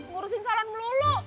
ngurusin salam melulu